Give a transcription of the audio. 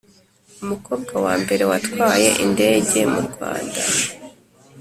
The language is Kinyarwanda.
Umukobwa wambere watwaye indege murwanda